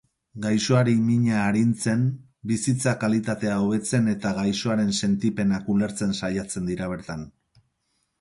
Gaixoari mina arintzen, bizitza-kalitatea hobetzen eta gaixoaren sentipenak ulertzen saiatzen dira bertan.